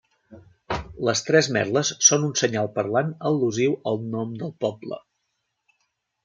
Les tres merles són un senyal parlant al·lusiu al nom del poble.